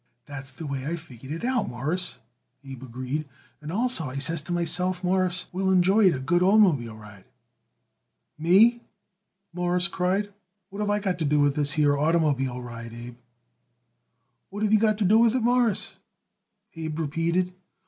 "That's the way I figured it out, Mawruss," Abe agreed; "and also, I says to myself, Mawruss will enjoy it a good oitermobile ride." "Me!" Morris cried. "What have I got to do with this here oitermobile ride, Abe?" "What have you got to do with it, Mawruss?" Abe repeated.